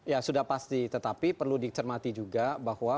ya sudah pasti tetapi perlu dicermati juga bahwa